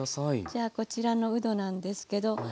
じゃあこちらのうどなんですけど。